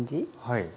はい。